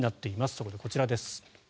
そこでこちらです。